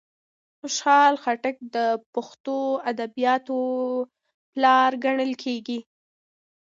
خوشال خټک د پښتو ادبیاتوپلار کڼل کیږي.